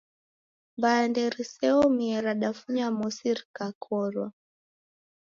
Mbande riseomie radafunya mosi rikakorwa.